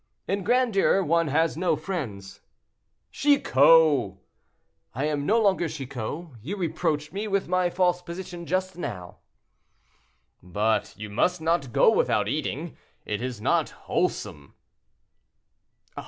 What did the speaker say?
"In grandeur one has no friends." "Chicot!" "I am no longer Chicot; you reproached me with my false position just now." "But you must not go without eating; it is not wholesome."